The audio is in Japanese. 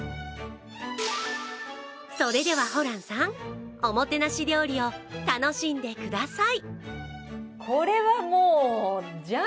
それではホランさんおもてなし料理を楽しんでください。